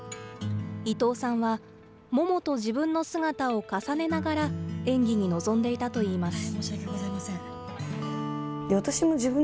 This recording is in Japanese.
伊藤さんは、ももと自分の姿を重ねながら、演技に臨んでいたといいます。